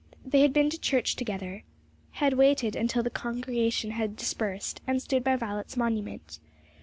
They had been to church together, had waited until the congregation had dispersed, and stood by Violet's monument.